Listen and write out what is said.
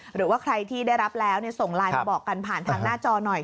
หรือว่าใครที่ได้รับแล้วส่งไลน์มาบอกกันผ่านทางหน้าจอหน่อย